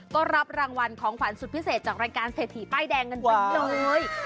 ก็รับรางวัลของขวัญสุดพิเศษจากรายการเศรษฐีป้ายแดงกันเยอะเลย